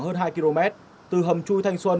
hơn hai km từ hầm chui thanh xuân